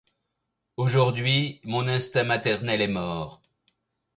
Aujourd’hui mon instinct maternel est mort.